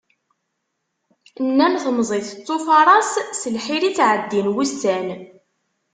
Nnan temẓi tettufaraṣ, s lḥir i ttεeddin wussan.